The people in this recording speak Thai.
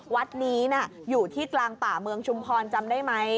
วัดนี้อยู่ที่กลางป่าเมืองชุมพรจำได้ไหม